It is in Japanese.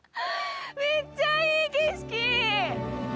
めっちゃいい景色！